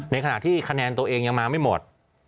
ในขณะที่คะแนนตัวเองยังมาไม่หมด